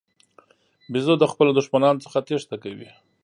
بیزو د خپلو دښمنانو څخه تېښته کوي.